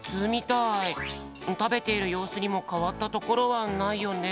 たべているようすにもかわったところはないよね。